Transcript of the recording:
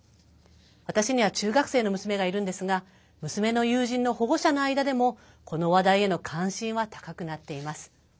私には中学生の娘がいるんですが娘の友人の保護者の間でもこの話題への関心は高くなっています。